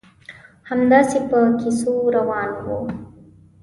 همداسې په کیسو روان وو.